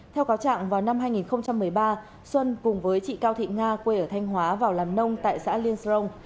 theo cáo trạng vào năm hai nghìn một mươi ba xuân cùng với chị cao thị nga quê ở thanh hóa vào làm nông tại xã liên srong